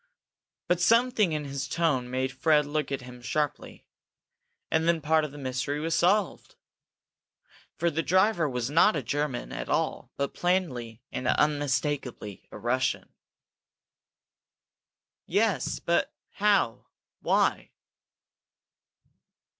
But something in his tone made Fred look at him sharply. And then part of the mystery was solved. For the driver was not a German at all, but plainly and unmistakably a Russian. "Yes but how why